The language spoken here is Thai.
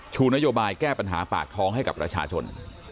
ชูนโยบายแก้ปัญหาปากท้องให้กับประชาชน